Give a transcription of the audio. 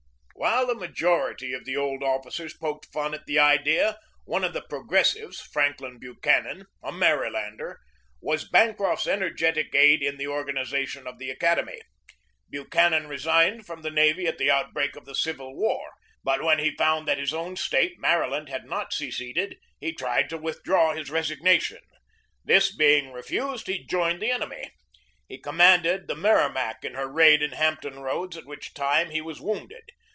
While the majority of the old officers poked fun at the idea, one of the progressives, Franklin Bu chanan, a Marylander, was Bancroft's energetic aid in the organization of the academy. Buchanan re signed from the navy at the outbreak of the Civil War; but when he found that his own State, Mary land, had not seceded, he tried to withdraw his resig nation. This being refused, he joined the enemy. He commanded the Merrimac in her raid in Hamp ton Roads, at which time he was wounded.